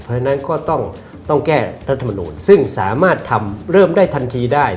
เพราะฉะนั้นก็ต้องแก้รัฐมนูลซึ่งสามารถทำเริ่มได้ทันทีได้